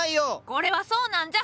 これはそうなんじゃ！